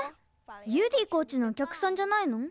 ユーディ・コーチのおきゃくさんじゃないの？